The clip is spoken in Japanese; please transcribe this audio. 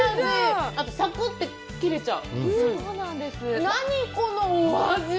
あと、さくって切れちゃう。